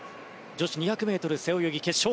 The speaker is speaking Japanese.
女子２００ｍ背泳ぎ決勝。